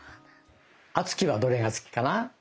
敦貴はどれが好きかな？